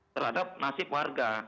terhadap nasib warga